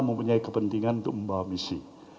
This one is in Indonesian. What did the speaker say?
mempunyai kepentingan untuk membawa misi